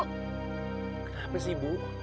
kenapa sih ibu